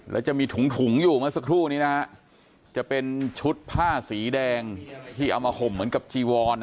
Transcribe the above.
แล้วจะมีถุงอยู่เมื่อสักครู่นี้นะฮะจะเป็นชุดผ้าสีแดงที่เอามาห่มเหมือนกับจีวอน